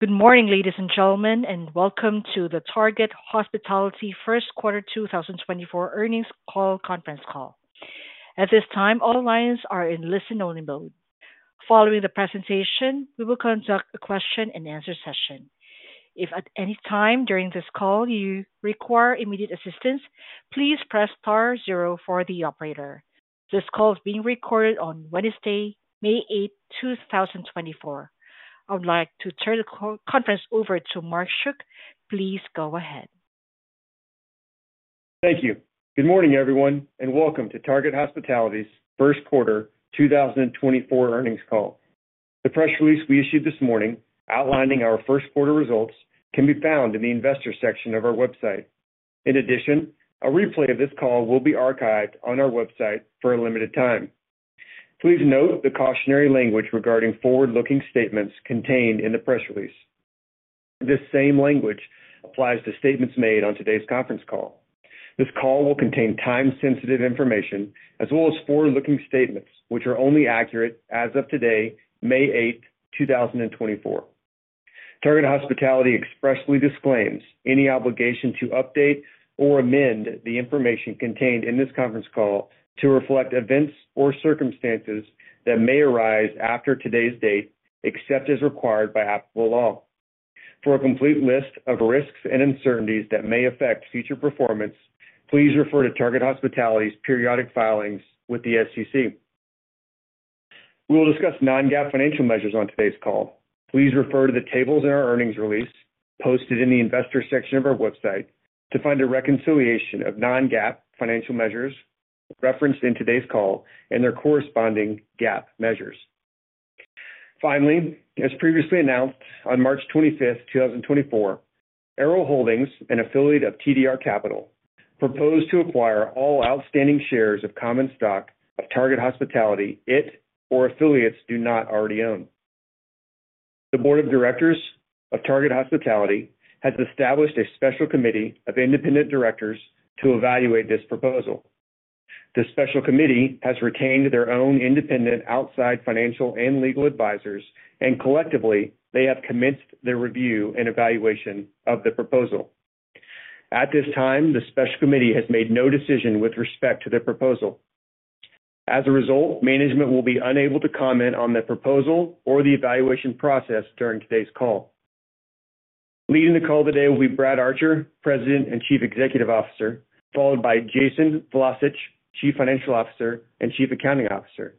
Good morning, ladies and gentlemen, and welcome to the Target Hospitality Q1 2024 earnings call conference call. At this time, all lines are in listen-only mode. Following the presentation, we will conduct a question-and-answer session. If at any time during this call you require immediate assistance, please press star 0 for the operator. This call is being recorded on Wednesday, 8 May, 2024. I would like to turn the conference over to Mark Schuck. Please go ahead. Thank you. Good morning, everyone, and welcome to Target Hospitality's Q1 2024 earnings call. The press release we issued this morning outlining our Q1 results can be found in the investor section of our website. In addition, a replay of this call will be archived on our website for a limited time. Please note the cautionary language regarding forward-looking statements contained in the press release. This same language applies to statements made on today's conference call. This call will contain time-sensitive information as well as forward-looking statements which are only accurate as of today, 8 May 2024. Target Hospitality expressly disclaims any obligation to update or amend the information contained in this conference call to reflect events or circumstances that may arise after today's date, except as required by applicable law. For a complete list of risks and uncertainties that may affect future performance, please refer to Target Hospitality's periodic filings with the SEC. We will discuss non-GAAP financial measures on today's call. Please refer to the tables in our earnings release posted in the investor section of our website to find a reconciliation of non-GAAP financial measures referenced in today's call and their corresponding GAAP measures. Finally, as previously announced on 25 March, 2024, Arrow Holdings, an affiliate of TDR Capital, proposed to acquire all outstanding shares of common stock of Target Hospitality it or affiliates do not already own. The board of directors of Target Hospitality has established a special committee of independent directors to evaluate this proposal. The special committee has retained their own independent outside financial and legal advisors, and collectively, they have commenced their review and evaluation of the proposal. At this time, the special committee has made no decision with respect to the proposal. As a result, management will be unable to comment on the proposal or the evaluation process during today's call. Leading the call today will be Brad Archer, President and Chief Executive Officer, followed by Jason Vlacich, Chief Financial Officer and Chief Accounting Officer.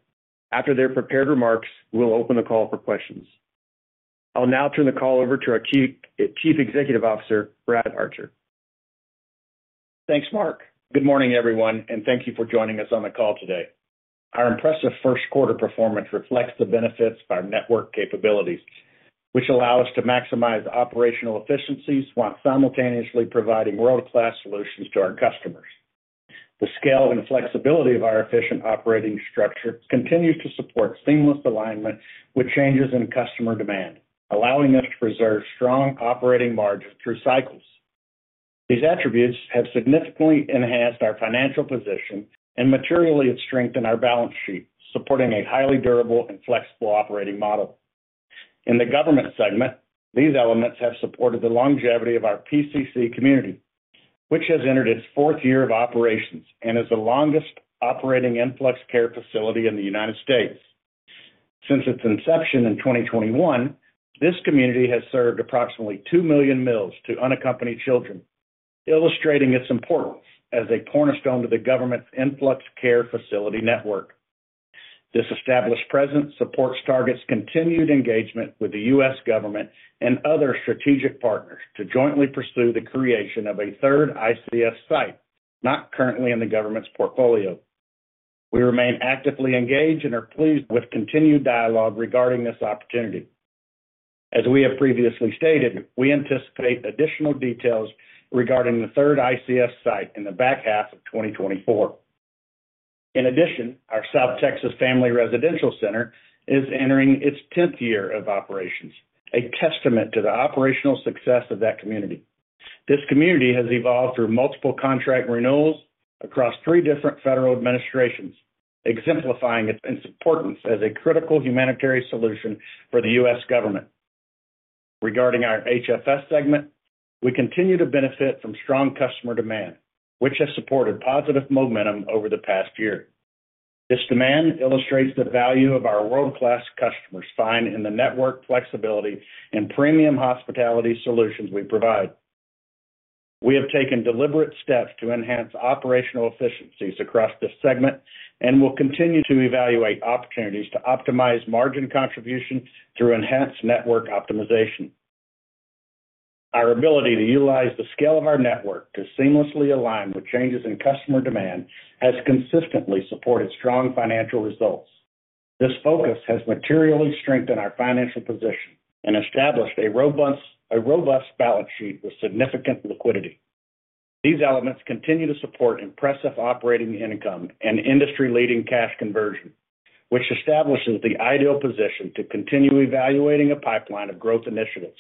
After their prepared remarks, we'll open the call for questions. I'll now turn the call over to our Chief Executive Officer, Brad Archer. Thanks, Mark. Good morning, everyone, and thank you for joining us on the call today. Our impressive Q1 performance reflects the benefits of our network capabilities, which allow us to maximize operational efficiencies while simultaneously providing world-class solutions to our customers. The scale and flexibility of our efficient operating structure continues to support seamless alignment with changes in customer demand, allowing us to preserve strong operating margins through cycles. These attributes have significantly enhanced our financial position and materially strengthened our balance sheet, supporting a highly durable and flexible operating model. In the government segment, these elements have supported the longevity of our PCC community, which has entered its fourth year of operations and is the longest operating influx care facility in the United States. Since its inception in 2021, this community has served approximately 2 million meals to unaccompanied children, illustrating its importance as a cornerstone to the government's influx care facility network. This established presence supports Target's continued engagement with the U.S. government and other strategic partners to jointly pursue the creation of a 3rd ICF site not currently in the government's portfolio. We remain actively engaged and are pleased with continued dialogue regarding this opportunity. As we have previously stated, we anticipate additional details regarding the third ICF site in the back half of 2024. In addition, our South Texas Family Residential Center is entering its 10th year of operations, a testament to the operational success of that community. This community has evolved through multiple contract renewals across three different federal administrations, exemplifying its importance as a critical humanitarian solution for the U.S. government. Regarding our HFS segment, we continue to benefit from strong customer demand, which has supported positive momentum over the past year. This demand illustrates the value that our world-class customers find in the network flexibility and premium hospitality solutions we provide. We have taken deliberate steps to enhance operational efficiencies across this segment and will continue to evaluate opportunities to optimize margin contribution through enhanced network optimization. Our ability to utilize the scale of our network to seamlessly align with changes in customer demand has consistently supported strong financial results. This focus has materially strengthened our financial position and established a robust balance sheet with significant liquidity. These elements continue to support impressive operating income and industry-leading cash conversion, which establishes the ideal position to continue evaluating a pipeline of growth initiatives.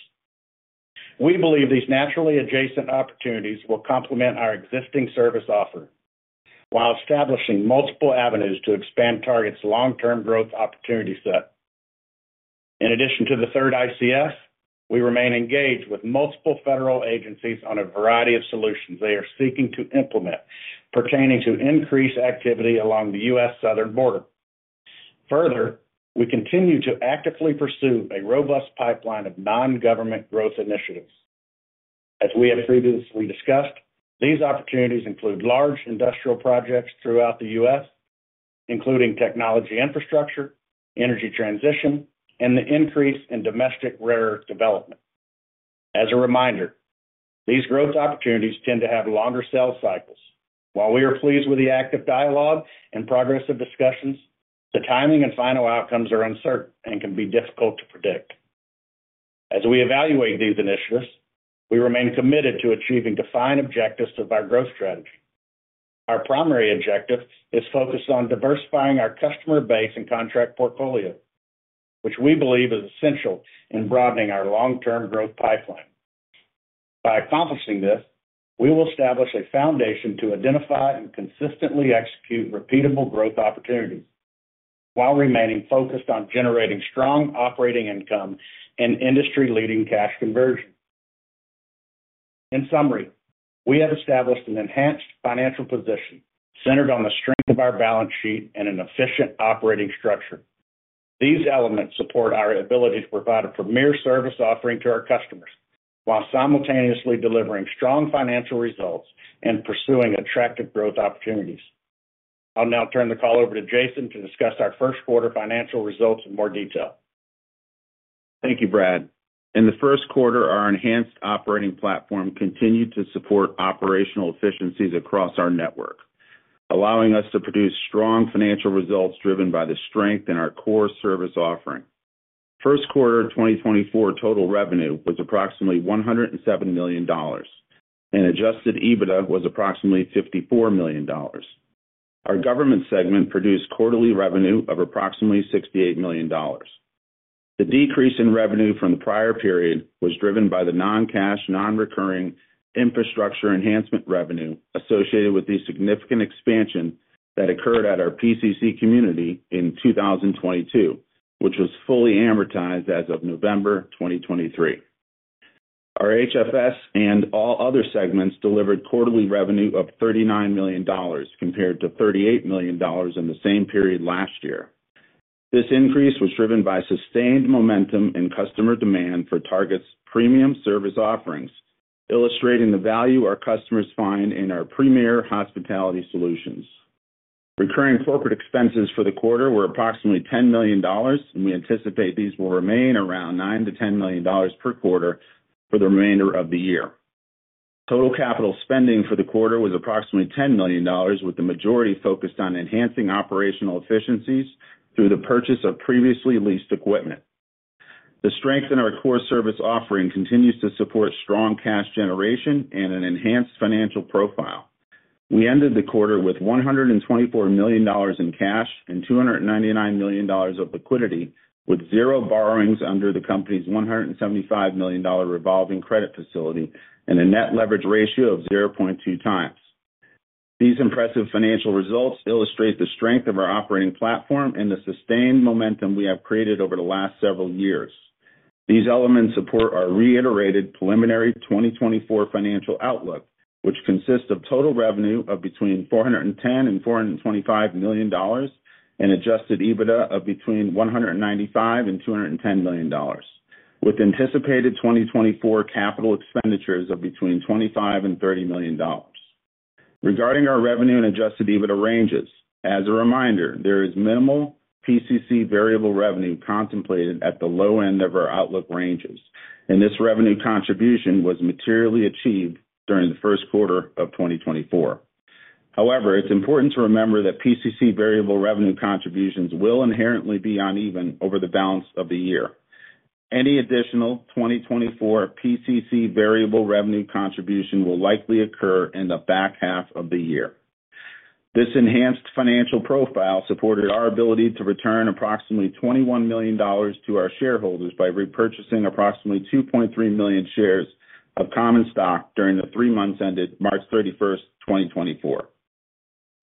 We believe these naturally adjacent opportunities will complement our existing service offer while establishing multiple avenues to expand Target's long-term growth opportunity set. In addition to the third ICF, we remain engaged with multiple federal agencies on a variety of solutions they are seeking to implement pertaining to increased activity along the U.S. southern border. Further, we continue to actively pursue a robust pipeline of non-government growth initiatives. As we have previously discussed, these opportunities include large industrial projects throughout the U.S., including technology infrastructure, energy transition, and the increase in domestic rare earth development. As a reminder, these growth opportunities tend to have longer sales cycles. While we are pleased with the active dialogue and progressive discussions, the timing and final outcomes are uncertain and can be difficult to predict. As we evaluate these initiatives, we remain committed to achieving defined objectives of our growth strategy. Our primary objective is focused on diversifying our customer base and contract portfolio, which we believe is essential in broadening our long-term growth pipeline. By accomplishing this, we will establish a foundation to identify and consistently execute repeatable growth opportunities while remaining focused on generating strong operating income and industry-leading cash conversion. In summary, we have established an enhanced financial position centered on the strength of our balance sheet and an efficient operating structure. These elements support our ability to provide a premier service offering to our customers while simultaneously delivering strong financial results and pursuing attractive growth opportunities. I'll now turn the call over to Jason to discuss our Q1 financial results in more detail. Thank you, Brad. In the Q1, our enhanced operating platform continued to support operational efficiencies across our network, allowing us to produce strong financial results driven by the strength in our core service offering. Q1 2024 total revenue was approximately $107 million, and adjusted EBITDA was approximately $54 million. Our government segment produced quarterly revenue of approximately $68 million. The decrease in revenue from the prior period was driven by the non-cash, non-recurring infrastructure enhancement revenue associated with the significant expansion that occurred at our PCC community in 2022, which was fully amortized as of November 2023. Our HFS and all other segments delivered quarterly revenue of $39 million compared to $38 million in the same period last year. This increase was driven by sustained momentum in customer demand for Target's premium service offerings, illustrating the value our customers find in our premier hospitality solutions. Recurring corporate expenses for the quarter were approximately $10 million, and we anticipate these will remain around $9-$10 million per quarter for the remainder of the year. Total capital spending for the quarter was approximately $10 million, with the majority focused on enhancing operational efficiencies through the purchase of previously leased equipment. The strength in our core service offering continues to support strong cash generation and an enhanced financial profile. We ended the quarter with $124 million in cash and $299 million of liquidity, with zero borrowings under the company's $175 million revolving credit facility and a net leverage ratio of 0.2 times. These impressive financial results illustrate the strength of our operating platform and the sustained momentum we have created over the last several years. These elements support our reiterated preliminary 2024 financial outlook, which consists of total revenue of between $410-$425 million and adjusted EBITDA of between $195-$210 million, with anticipated 2024 capital expenditures of between $25-$30 million. Regarding our revenue and adjusted EBITDA ranges, as a reminder, there is minimal PCC variable revenue contemplated at the low end of our outlook ranges, and this revenue contribution was materially achieved during the Q1 of 2024. However, it's important to remember that PCC variable revenue contributions will inherently be uneven over the balance of the year. Any additional 2024 PCC variable revenue contribution will likely occur in the back half of the year. This enhanced financial profile supported our ability to return approximately $21 million to our shareholders by repurchasing approximately 2.3 million shares of common stock during the three months ended 31 March, 2024.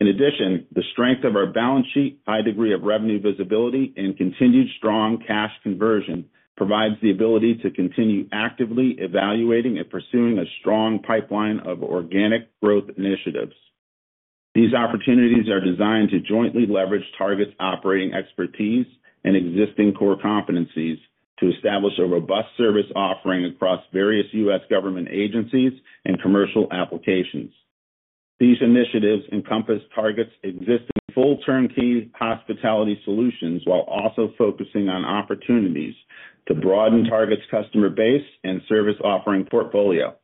In addition, the strength of our balance sheet, high degree of revenue visibility, and continued strong cash conversion provides the ability to continue actively evaluating and pursuing a strong pipeline of organic growth initiatives. These opportunities are designed to jointly leverage Target's operating expertise and existing core competencies to establish a robust service offering across various U.S. government agencies and commercial applications. These initiatives encompass Target's existing full turnkey hospitality solutions while also focusing on opportunities to broaden Target's customer base and service offering portfolio.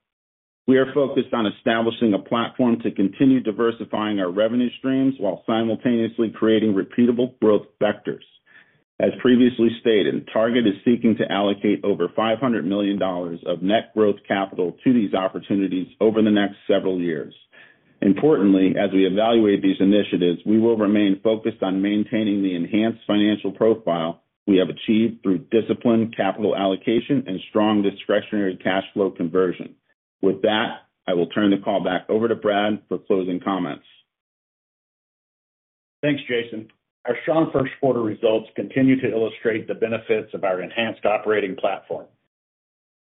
We are focused on establishing a platform to continue diversifying our revenue streams while simultaneously creating repeatable growth vectors. As previously stated, Target is seeking to allocate over $500 million of net growth capital to these opportunities over the next several years. Importantly, as we evaluate these initiatives, we will remain focused on maintaining the enhanced financial profile we have achieved through disciplined capital allocation and strong discretionary cash flow conversion. With that, I will turn the call back over to Brad for closing comments. Thanks, Jason. Our strong Q1 results continue to illustrate the benefits of our enhanced operating platform.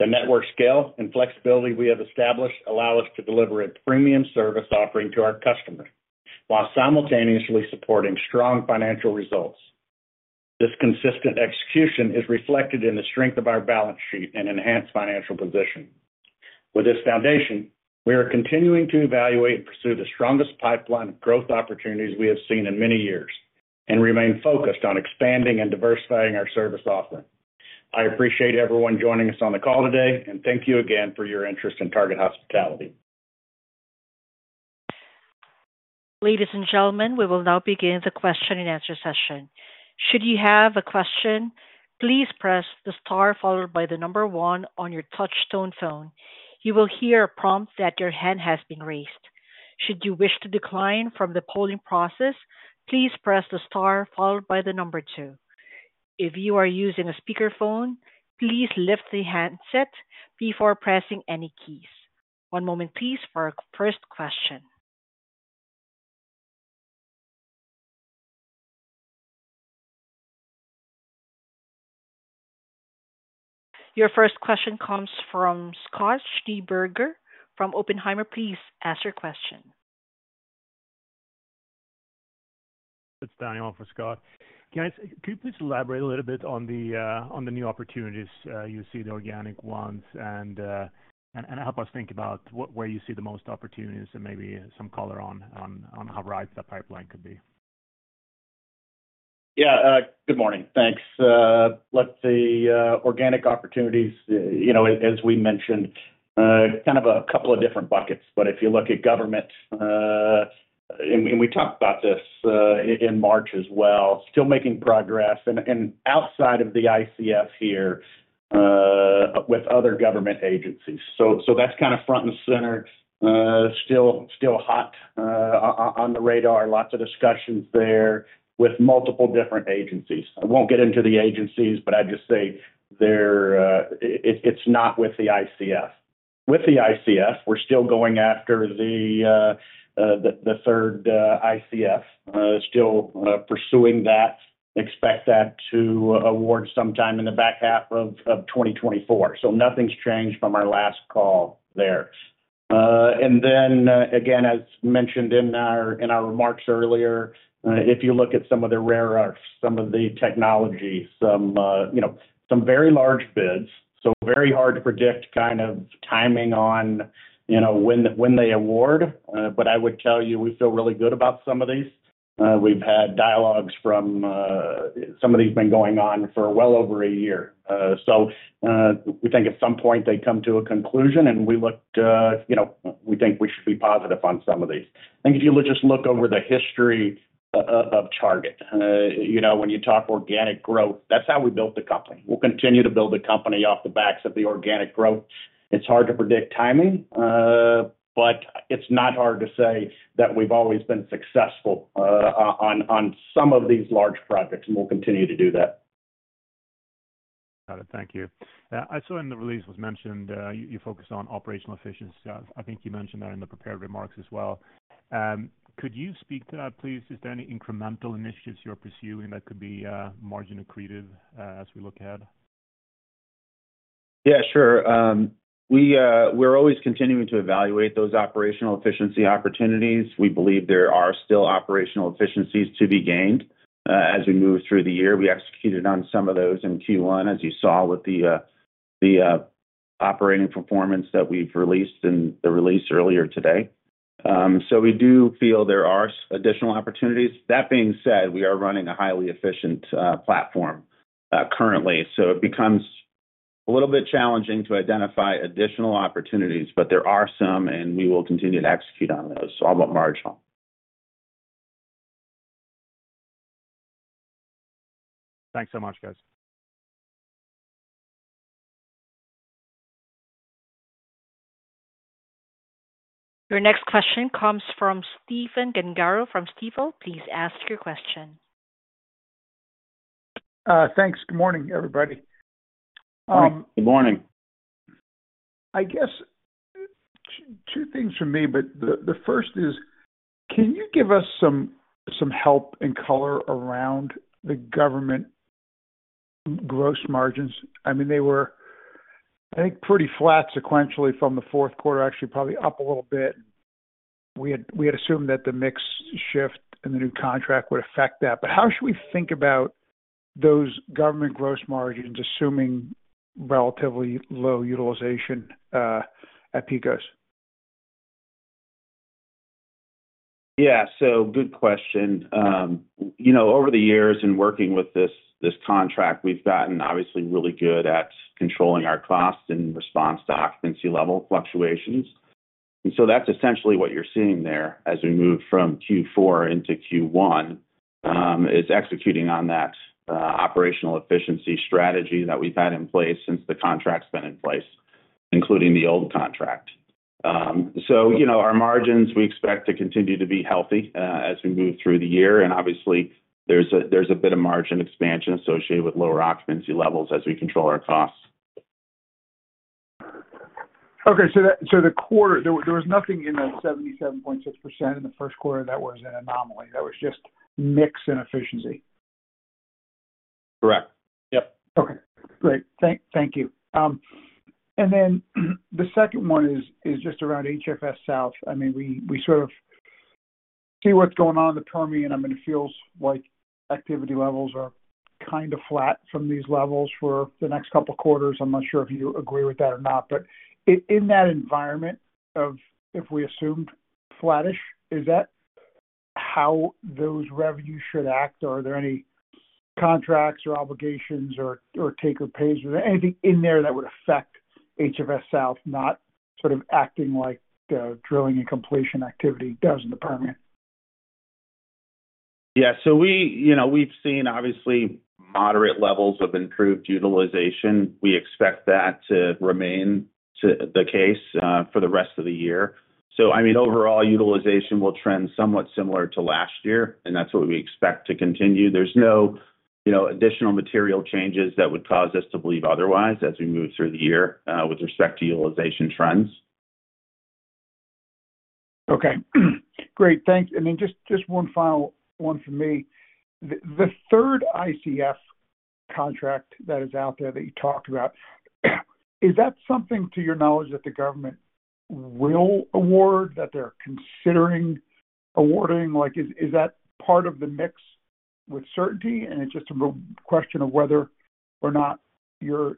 The network scale and flexibility we have established allow us to deliver a premium service offering to our customers while simultaneously supporting strong financial results. This consistent execution is reflected in the strength of our balance sheet and enhanced financial position. With this foundation, we are continuing to evaluate and pursue the strongest pipeline of growth opportunities we have seen in many years and remain focused on expanding and diversifying our service offering. I appreciate everyone joining us on the call today, and thank you again for your interest in Target Hospitality. Ladies and gentlemen, we will now begin the question and answer session. Should you have a question, please press the star followed by the number one on your touch-tone phone. You will hear a prompt that your hand has been raised. Should you wish to decline from the polling process, please press the star followed by the number two. If you are using a speakerphone, please lift the handset before pressing any keys. One moment, please, for our first question. Your first question comes from Scott Schneeberger from Oppenheimer. Please ask your question. It's Daniel for Scott. Could you please elaborate a little bit on the new opportunities you see, the organic ones, and help us think about where you see the most opportunities and maybe some color on how right that pipeline could be? Good morning. Thanks. Look, the organic opportunities, as we mentioned, kind of a couple of different buckets if you look at government, and we talked about this in March as well, still making progress outside of the ICF here with other government agencies that's kind of front and center, still hot on the radar, lots of discussions there with multiple different agencies. I won't get into the agencies, but I'd just say it's not with the ICF. With the ICF, we're still going after the 3rd ICF, still pursuing that, expect that to award sometime in the back half of 2024 nothing's changed from our last call there. Again, as mentioned in our remarks earlier, if you look at some of the rare earths, some of the technology, some very large bids, very hard to predict kind of timing on when they award. But I would tell you we feel really good about some of these. We've had dialogues from some of these have been going on for well over a year. We think at some point they come to a conclusion, and we think we should be positive on some of these. I think if you just look over the history of Target, when you talk organic growth, that's how we built the company we'll continue to build the company off the backs of the organic growth. It's hard to predict timing, but it's not hard to say that we've always been successful on some of these large projects, and we'll continue to do that. Thank you. I saw in the release was mentioned you focus on operational efficiency think you mentioned that in the prepared remarks as well. Could you speak to that, please? Is there any incremental initiatives you're pursuing that could be marginally creative as we look ahead? Sure. We're always continuing to evaluate those operational efficiency opportunities. We believe there are still operational efficiencies to be gained as we move through the year we executed on some of those in Q1, as you saw with the operating performance that we've released in the release earlier today. We do feel there are additional opportunities. That being said, we are running a highly efficient platform currently, so it becomes a little bit challenging to identify additional opportunities, but there are some, and we will continue to execute on those, all but marginal. Thanks so much, guys. Your next question comes from Stephen Gengaro from Stifel. Please ask your question. Thanks. Good morning, everybody. Hi. Good morning. I guess two things from me, but the first is, can you give us some help and color around the government gross margins? I mean, they were, I think, pretty flat sequentially from the Q4, actually probably up a little bit. We had assumed that the mix shift and the new contract would affect that how should we think about? those government gross margins, assuming relatively low utilization at Pecos? Good question. Over the years and working with this contract, we've gotten obviously really good at controlling our cost and response to occupancy level fluctuations. That's essentially what you're seeing there as we move from Q4 into Q1, is executing on that operational efficiency strategy that we've had in place since the contract's been in place, including the old contract. Our margins, we expect to continue to be healthy as we move through the year and obviously, there's a bit of margin expansion associated with lower occupancy levels as we control our costs. Okay. The quarter, there was nothing in the 77.6% in the Q1 that was an anomaly. That was just mix and efficiency. Correct. Yep. Thank you. And then the second one is just around HFS South i mean, we sort of see what's going on in the Permian, and it feels like activity levels are kind of flat from these levels for the next couple of quarters i'm not sure if you agree with that or not. In that environment of if we assumed flattish, is that how those revenues should act? Or are there any contracts or obligations or take or pays? Is there anything in there that would affect HFS South not sort of acting like the drilling and completion activity does in the Permian? We've seen, obviously, moderate levels of improved utilization we expect that to remain the case for the rest of the year. I mean, overall, utilization will trend somewhat similar to last year, and that's what we expect to continue there's no additional material changes that would cause us to believe otherwise as we move through the year with respect to utilization trends. Great. Thanks and then just one final one from me. The 3rd ICF contract that is out there that you talked about, is that something, to your knowledge, that the government will award, that they're considering awarding? Is that part of the mix with certainty? And it's just a question of whether or not you're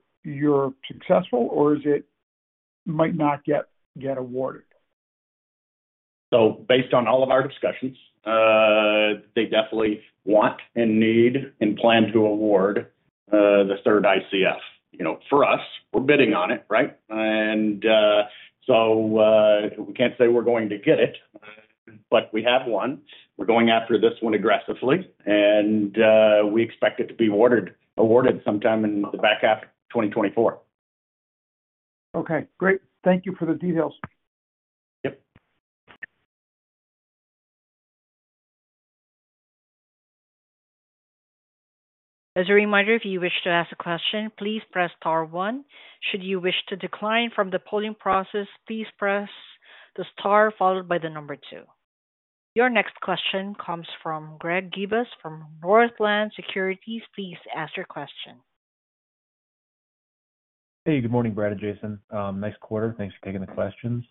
successful, or it might not get awarded? Based on all of our discussions, they definitely want and need and plan to award the 3rd ICF. For us, we're bidding on it, right? We can't say we're going to get it, but we have one. We're going after this one aggressively, and we expect it to be awarded sometime in the back half of 2024. Okay. Great. Thank you for the details. Yep. As a reminder, if you wish to ask a question, please press star one. Should you wish to decline from the polling process, please press the star followed by the number two. Your next question comes from Greg Gibas from Northland Securities. Please ask your question. Hey, good morning, Brad and Jason. Nice quarter. Thanks for taking the questions.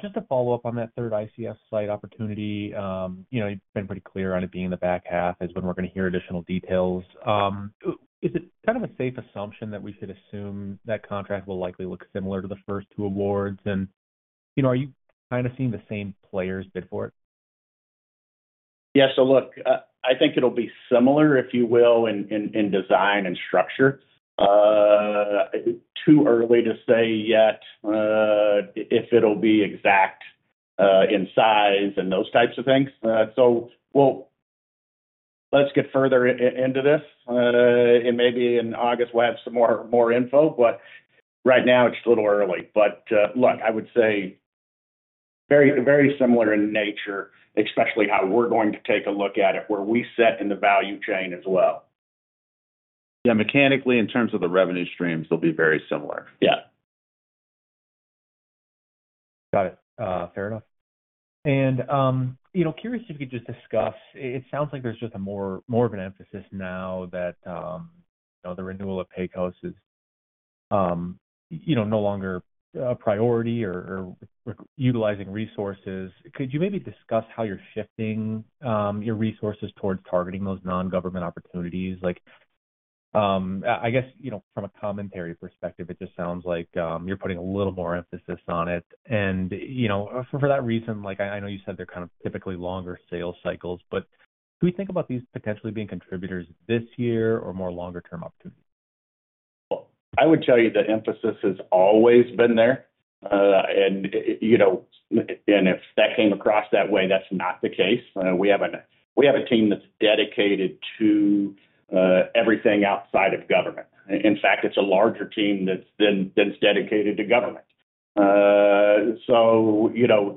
Just to follow up on that third ICF site opportunity, you've been pretty clear on it being in the back half as to when we're going to hear additional details. Is it kind of a safe assumption that we should assume that contract will likely look similar to the first two awards? And are you kind of seeing the same players bid for it? Look, I think it'll be similar, if you will, in design and structure. Too early to say yet if it'll be exact in size and those types of things. Well, let's get further into this. And maybe in August, we'll have some more info. But right now, it's a little early. But look, I would say very similar in nature, especially how we're going to take a look at it, where we sit in the value chain as well. Mechanically, in terms of the revenue streams, they'll be very similar. Yeah. Got it. Fair enough. Curious if you could just discuss, it sounds like there's just more of an emphasis now that the renewal of Pecos is no longer a priority or utilizing resources. Could you maybe discuss how you're shifting? your resources towards targeting those non-government opportunities? I guess from a commentary perspective, it just sounds like you're putting a little more emphasis on it. For that reason, I know you said they're kind of typically longer sales cycles, Do we think about these potentially being contributors this year or more longer-term opportunities? Well, I would tell you the emphasis has always been there. And if that came across that way, that's not the case we have a team that's dedicated to everything outside of government. In fact, it's a larger team that's dedicated to government.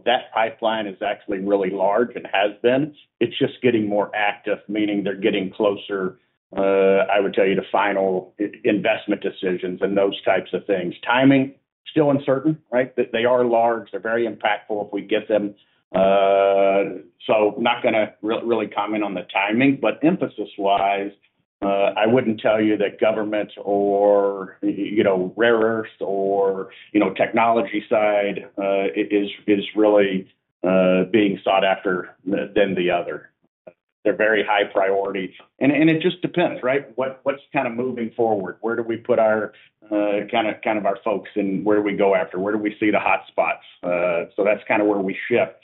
That pipeline is actually really large and has been. It's just getting more active, meaning they're getting closer, I would tell you, to final investment decisions and those types of things timing, still uncertain, right? They are large they're very impactful if we get them. Not going to really comment on the timing but emphasis-wise, I wouldn't tell you that government or rare earths or technology side is really being sought after than the other. They're very high priority. And it just depends, right? What's kind of moving forward? Where do we put kind of our folks, and where do we go after? Where do we see the hotspots? That's kind of where we shift.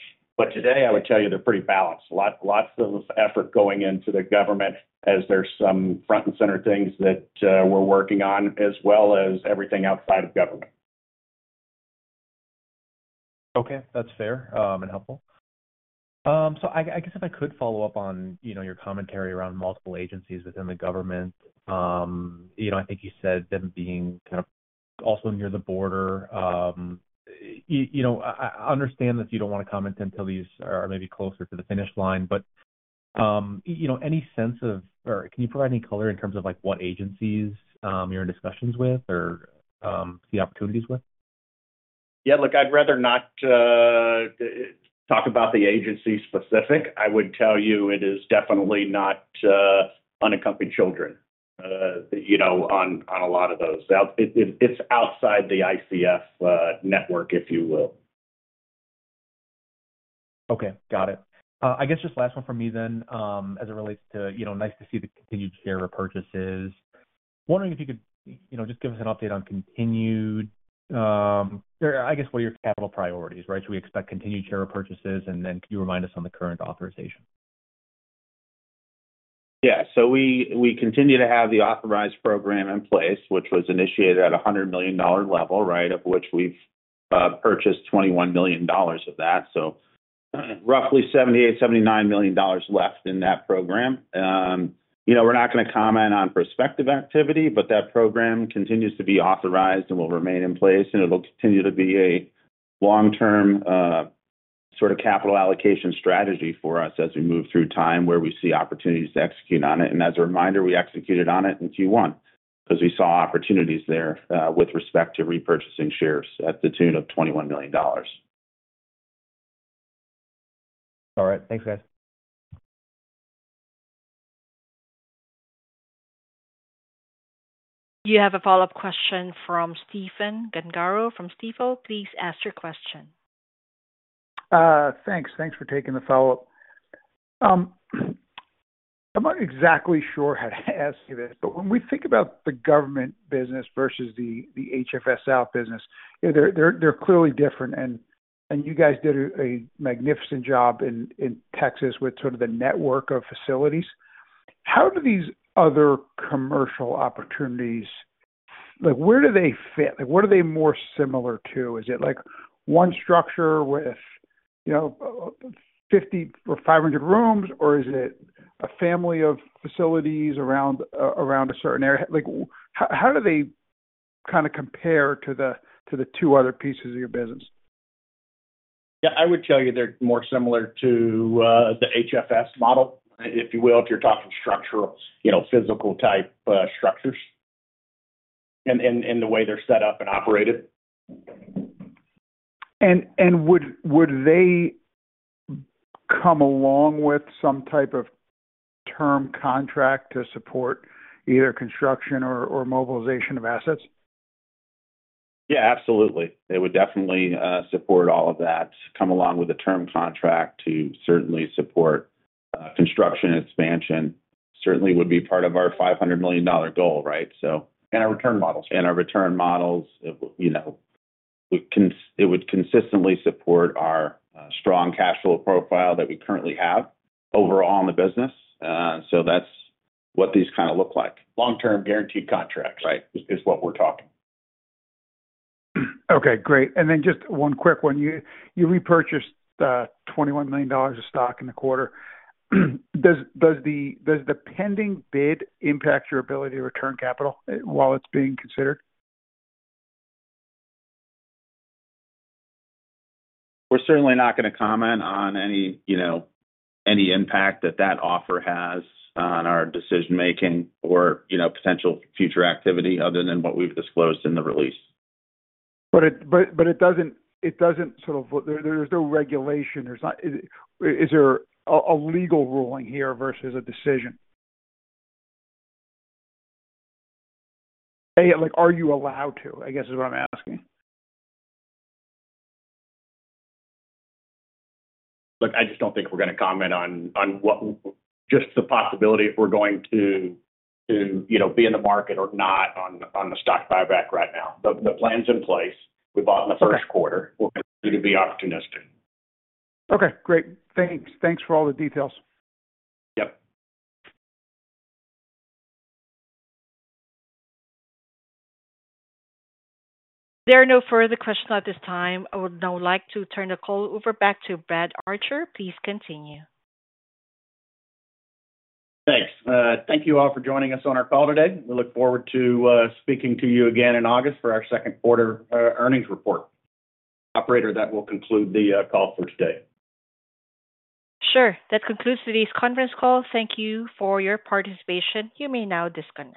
Today, I would tell you they're pretty balanced lots of effort going into the government as there's some front and center things that we're working on as well as everything outside of government. Okay. That's fair and helpful. I guess if I could follow up on your commentary around multiple agencies within the government, I think you said them being kind of also near the border. I understand that you don't want to comment until these are maybe closer to the finish line, Any sense of? or can you provide any color in terms of what agencies? you're in discussions with or see opportunities with? Look, I'd rather not talk about the agency-specific. I would tell you it is definitely not unaccompanied children on a lot of those it's outside the ICF network, if you will. Got it. I guess just last one from me then as it relates to nice to see the continued share repurchases. Wondering if you could just give us an update on continued or I guess what are your capital priorities, right? we expect continued share repurchases, and then could you remind us on the current authorization? We continue to have the authorized program in place, which was initiated at a $100 million level, right, of which we've purchased $21 million of that. Roughly $78-$79 million left in that program. We're not going to comment on prospective activity, but that program continues to be authorized and will remain in place and it'll continue to be a long-term sort of capital allocation strategy for us as we move through time where we see opportunities to execute on it as a reminder, we executed on it in Q1 because we saw opportunities there with respect to repurchasing shares at the tune of $21 million. All right. Thanks, guys. You have a follow-up question from Stephen Gengaro from Stifel. Please ask your question. Thanks for taking the follow-up. I'm not exactly sure how to ask you this, but when we think about the government business versus the HFS South business, they're clearly different. You guys did a magnificent job in Texas with sort of the network of facilities. How do these? other commercial opportunities, where do they fit? What are they more similar to? Is it one structure with 50 or 500 rooms, or is it a family of facilities around a certain area? How do they? kind of compare to the two other pieces of your business? I would tell you they're more similar to the HFS model, if you will, if you're talking structural, physical-type structures in the way they're set up and operated. Would they come along with some type of term contract to support either construction or mobilization of assets? Yeah, absolutely. They would definitely support all of that, come along with a term contract to certainly support construction expansion. Certainly would be part of our $500 million goal, right? Our return models, our return models. It would consistently support our strong cash flow profile that we currently have overall in the business. That's what these kind of look like. Long-term guaranteed contracts is what we're talking. Okay. Great. And then just one quick one. You repurchased $21 million of stock in the quarter. Does the pending bid impact your ability to return capital while it's being considered? We're certainly not going to comment on any impact that that offer has on our decision-making or potential future activity other than what we've disclosed in the release. But it doesn't sort of there's no regulation. Is there a legal ruling here versus a decision? Are you allowed to, I guess, is what I'm asking. Look, I just don't think we're going to comment on just the possibility if we're going to be in the market or not on the stock buyback right now. The plan's in place we bought in the Q1 we're going to need to be opportunistic. Okay. Great. Thanks. Thanks for all the details. Yep. There are no further questions at this time. I would now like to turn the call over back to Brad Archer. Please continue. Thanks. Thank you all for joining us on our call today. We look forward to speaking to you again in August for our Q2 earnings report. Operator, that will conclude the call for today. Sure. That concludes today's conference call. Thank you for your participation. You may now disconnect.